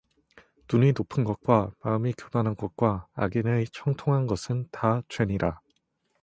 눈이 높은 것과 마음이 교만한 것과 악인의 형통한 것은 다 죄니라